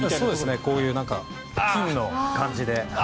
こういう、金の感じで。